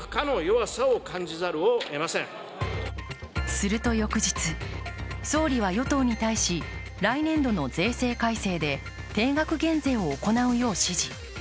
すると翌日、総理は与党に対し来年度の税制改正で定額減税を行うよう指示。